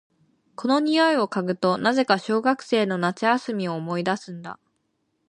この匂いを嗅ぐと、なぜか小学生の夏休みを思い出すんだ。